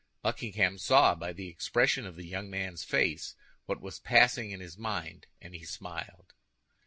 Buckingham saw by the expression of the young man's face what was passing in his mind, and he smiled.